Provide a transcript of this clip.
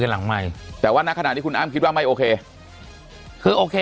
หลังใหม่แต่ว่าณขณะนี้คุณอ้ำคิดว่าไม่โอเคคือโอเค